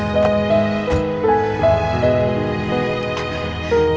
jangan kata tak apapun